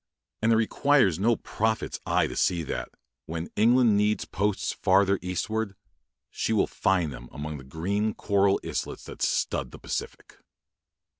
And it requires no prophet's eye to see that, when England needs posts farther eastward, she will find them among the green coral islets that stud the Pacific.